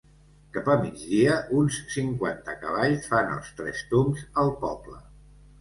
Cap a migdia uns cinquanta cavalls fan els Tres Tombs al poble.